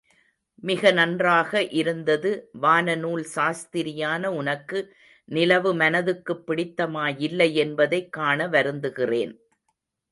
மிக நன்றாக இருந்தது! வான நூல் சாஸ்திரியான உனக்கு நிலவு மனதுக்குப் பிடித்தமாயில்லை என்பதைக் காண வருந்துகிறேன்.